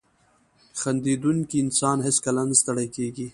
• خندېدونکی انسان هیڅکله نه ستړی کېږي.